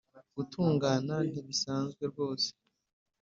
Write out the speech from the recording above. gutungana ntibisanzwe rwose